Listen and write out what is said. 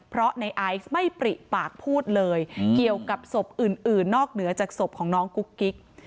เพราะในไอซ์ไม่ปริปากพูดเลยเกี่ยวกับศพอื่นนอกเหนือจากศพของน้องกุ๊กกิ๊ก